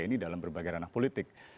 di pantai ini dalam berbagai ranah politik